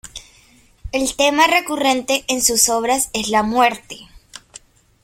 El tema recurrente en sus obras es la muerte.